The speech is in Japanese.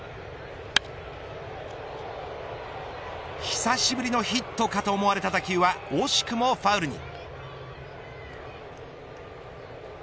久しぶりのヒットかと思われた打球は惜しくもファウルに。